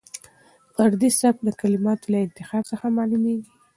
فردي سبک د کلماتو له انتخاب څخه معلومېږي.